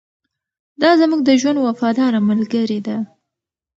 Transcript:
دا زموږ د ژوند وفاداره ملګرې ده.